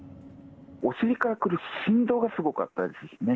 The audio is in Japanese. お尻から来る振動がすごかったですね。